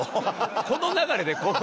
この流れで肛門。